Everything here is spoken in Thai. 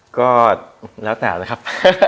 ก็แล้วแต่นะครับ